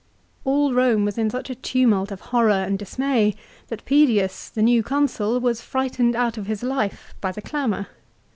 All Eome was in such a tumult of horror and dismay that Pedius, the new Consul, was frightened out of his life by the clamour.